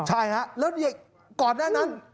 ใช่ฮะก่อนแน่นั้น